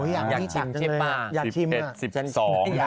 อยากที่ชิมจังเลยอยากที่ชิมใช่ป่าว